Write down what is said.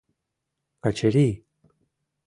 — Качырий!..